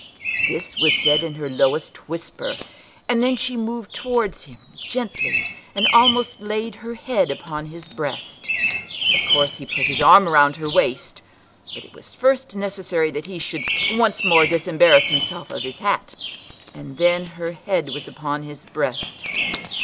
This was said in her lowest whisper, and then she moved towards him gently, and almost laid her head upon his breast. Of course he put his arm round her waist, but it was first necessary that he should once more disembarrass himself of his hat, and then her head was upon his breast.